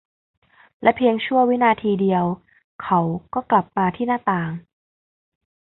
และเพียงชั่ววินาทีเดียว เขาก็กลับมาที่หน้าต่าง